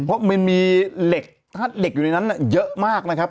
เพราะมันมีเหล็กถ้าเหล็กอยู่ในนั้นเยอะมากนะครับ